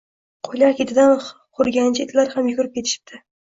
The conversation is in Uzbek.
Qo’ylar ketidan hurganicha itlar ham yugurib ketishibdi